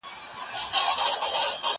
زه کولای سم لوښي وچوم؟